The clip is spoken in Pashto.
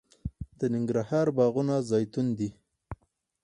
د ننګرهار باغونه زیتون دي